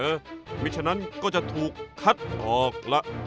เพราะฉะนั้นก็จะถูกคัดออกละ